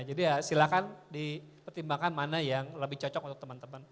jadi silahkan dipertimbangkan mana yang lebih cocok untuk teman teman